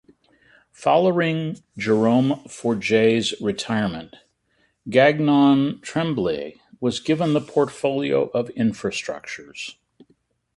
Following Jerome-Forget's retirement, Gagnon-Tremblay was given the portfolio of Infrastructures.